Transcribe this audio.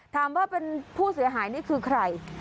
ถามว่าเป็นผู้เสียหายนี่คือใคร